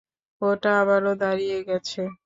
ওটা আবারো দাঁড়িয়ে গেছে।